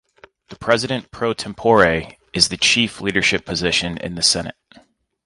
The President pro tempore is the chief leadership position in the Senate.